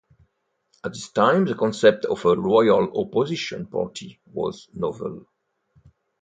At this time, the concept of a loyal opposition party was novel.